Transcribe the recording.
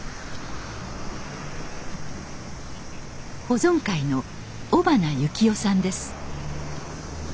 保存会の尾花幸男さんです。